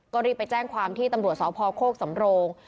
ก็รีบไปแจ้งความที่ตำรวจสพโคกสำโรง